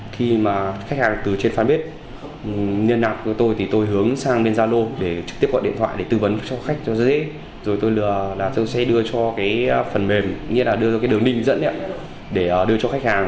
khi khách hàng nhập mức phí thuê phần mềm đưa ra đường đường mình để đưa đến khách hàng